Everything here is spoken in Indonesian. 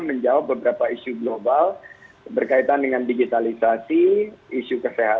banya delthis summit ini bagaimana dibutuhkan untuk memberi idea